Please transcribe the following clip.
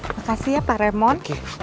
makasih ya pak remon